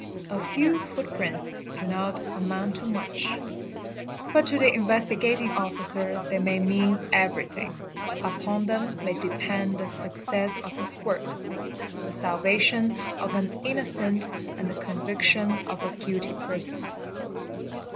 A few footprints ~ do not amount to much, but to the Investigating Officer they may mean ON ee eet ee eer eT everything, upon them may depend the success of his work—the salva tion of an innocent and the conviction of a guilty person.